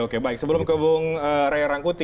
oke baik sebelum kebun raya rangkuti